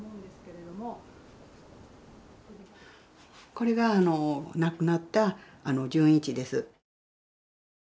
これがあの亡くなった循一です。